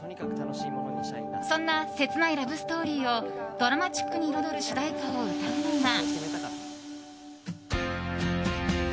そんな切ないラブストーリーをドラマチックに彩る主題歌を歌うのが。